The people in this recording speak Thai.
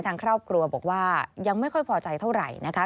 ทางครอบครัวบอกว่ายังไม่ค่อยพอใจเท่าไหร่นะคะ